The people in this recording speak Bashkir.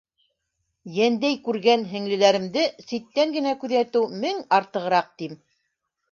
Йәндәй күргән һеңлеләремде ситтән генә күҙәтеү мең артығыраҡ тим.